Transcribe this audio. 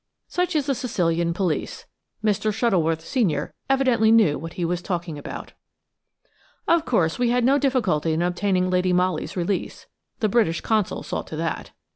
Such is the Sicilian police. Mr. Shuttleworth, senior, evidently knew what he was talking about. Of course, we had no difficulty in obtaining Lady Molly's release. The British Consul saw to that.